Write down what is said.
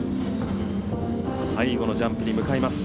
最後のジャンプに向かいます。